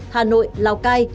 hà nội lào cai